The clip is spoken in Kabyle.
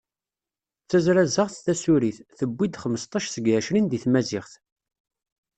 D tazrazaɣt tasurit, tewwi-d xmesṭac seg ɛecrin deg tmaziɣt.